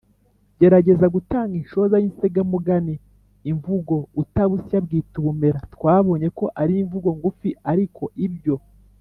gerageza gutanga inshoza y’insigamugani. imvugo “utabusya abwita ubumera” twabonye ko ari imvugo ngufi ariko ibyo